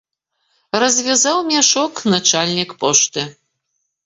Развязаў мяшок начальнік пошты.